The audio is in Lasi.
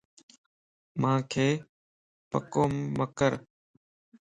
مانک پڪو مَ مڪر